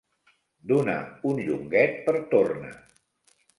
Donar un llonguet per torna.